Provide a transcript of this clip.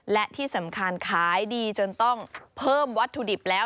และที่สำคัญขายดีจนต้องเพิ่มวัตถุดิบแล้ว